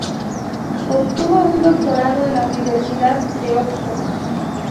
Obtuvo un doctorado en la Universidad de Oxford.